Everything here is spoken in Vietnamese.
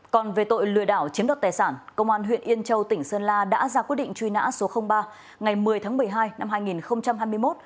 còn về tội lừa đảo chiếm đoạt tài sản công an huyện yên châu tỉnh sơn la đã ra quyết định truy nã số ba ngày một mươi tháng một mươi hai năm hai nghìn hai mươi một